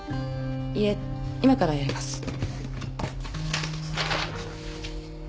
いえ今からやります。